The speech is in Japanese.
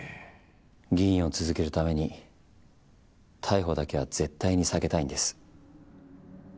議員を続けるために逮捕だけは絶対に避けたいんです。